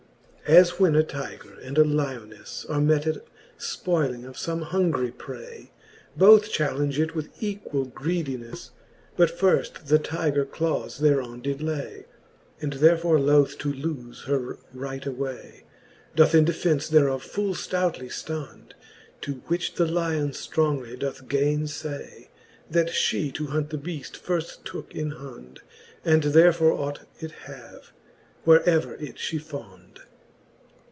As when a Tygre and a Lionefle Are met at ipoyling of fome hungry pray, Both challenge it with equall greedinefle; But firft the Tygre clawes thereon did lay ; And therefore loth to loofe her right away, Doth in defence thereof full ftoutly ftond : To which the Lion ftrongly doth gainelay, That flie to hunt the beaft firft tooke in hond; And therefore ought it have, where ever fhe it fond.